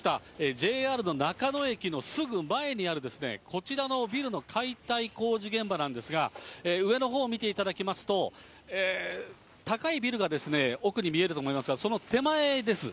ＪＲの中の駅のすぐ前にある、こちらのビルの解体工事現場なんですが、上のほうを見ていただきますと、高いビルが奥に見えると思いますが、その手前です。